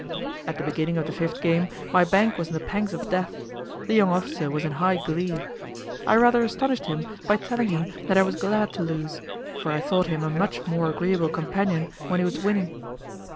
At the beginning of the fifth game, my bank was in the pangs of death; the young officer was in high glee. I rather astonished him by telling him that I was glad to lose, for I thought him a much more agreeable companion when he was winning.